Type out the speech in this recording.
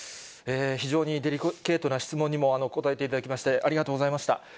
非常にデリケートな質問にも答えていただきまして、ありがとうございました。